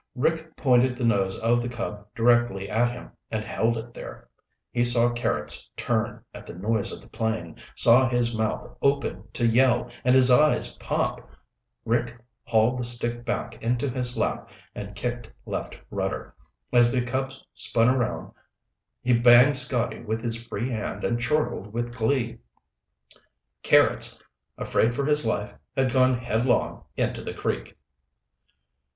Rick pointed the nose of the Cub directly at him and held it there. He saw Carrots turn at the noise of the plane, saw his mouth open to yell and his eyes pop. Rick hauled the stick back into his lap and kicked left rudder. As the Cub spun around he banged Scotty with his free hand and chortled with glee. Carrots, afraid for his life, had gone headlong into the creek.